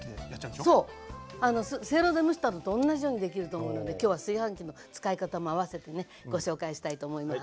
せいろで蒸したのと同じようにできると思うので今日は炊飯器の使い方も合わせてねご紹介したいと思います。